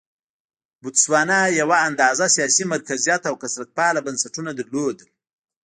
بوتسوانا یو اندازه سیاسي مرکزیت او کثرت پاله بنسټونه لرل.